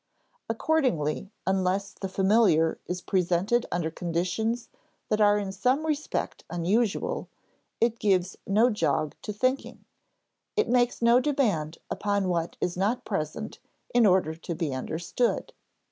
Accordingly unless the familiar is presented under conditions that are in some respect unusual, it gives no jog to thinking, it makes no demand upon what is not present in order to be understood.